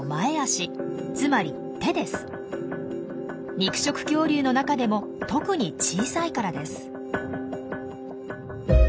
肉食恐竜の中でも特に小さいからです。